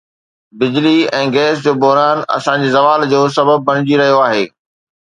بجلي ۽ گئس جو بحران اسان جي زوال جو سبب بڻجي رهيو آهي